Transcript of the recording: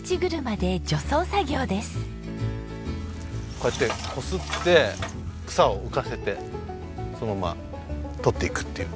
こうやってこすって草を浮かせてそのまんま取っていくっていう。